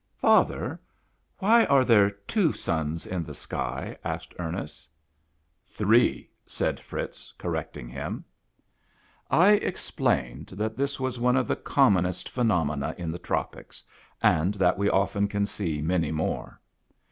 "Father, why are there two suns in the sky?" asked Ernest. " Three," said Fritz correcting him. I explained that this was one of the commonest phenomena in the tropics, and that we often can see many more.